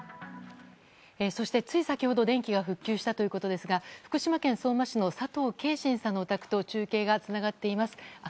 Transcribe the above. そして、つい先ほど電気が復旧したということですが福島県相馬市の佐藤慶信さんのお宅と中継がつながっています。